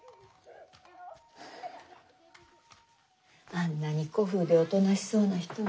あんなに古風でおとなしそうな人が嘘をつくかしら。